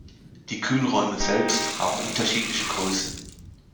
Die Kühlräume selbst haben unterschiedliche Größen.